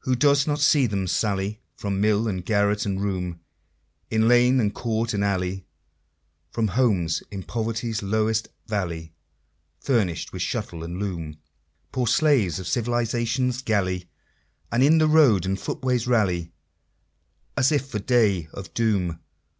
Who does not see them sally From mill, and garret, and room, In lane, and court and alley, From homes in poverty's lowest valley, Furnished with shuttle and loom Poor slaves of Civilization's galley And in the road and footways rally, As if for the Day of Doom?